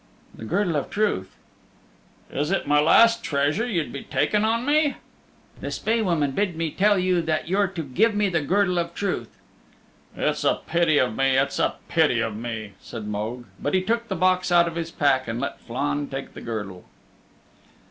"The Girdle of Truth." "Is it my last treasure you'd be taking on me?" "The Spae Woman bid me tell you that you're to give me the Girdle of Truth." "It's a pity of me, it's a pity of me," said Mogue. But he took the box out of his pack, and let Flann take the girdle.